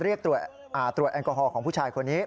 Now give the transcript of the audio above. รีบตรวจตรวจแอลกอฮอล์ของผู้ชายคนนี้